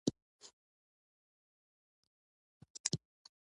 د ډوډۍ په وخت خوړل بدن ته ګټه رسوی.